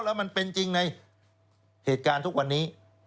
แล้วมันเป็นจริงในเหตุการณ์ทุกวันนี้